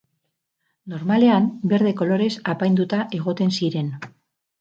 Normalean, berde kolorez apainduta egoten ziren.